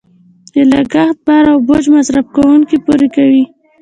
د لګښت بار او بوج مصرف کوونکې پرې کوي.